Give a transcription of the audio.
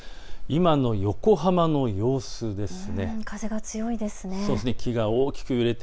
今の横浜の様子です。